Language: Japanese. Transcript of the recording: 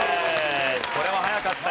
これは早かった。